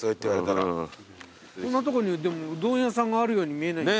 こんなとこにでもうどん屋さんがあるように見えない。